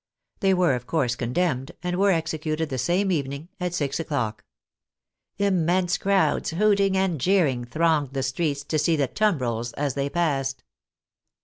They were, of course, condemned, and were executed the same evening at six o'clock. Immense crowds, hooting and jeering, thronged the streets to see the tumbrils as they passed.